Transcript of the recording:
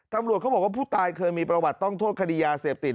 ตำรวจเขาบอกว่าผู้ตายเคยมีประวัติต้องโทษคดียาเสพติด